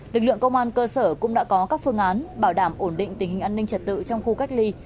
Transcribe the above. lực lượng công an cơ sở cũng đã có các phương án bảo đảm ổn định tình hình an ninh trật tự trong khu cách ly